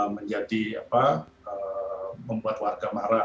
menjadi membuat warga marah